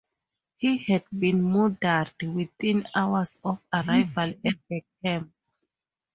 He had been murdered within hours of arrival at the camp.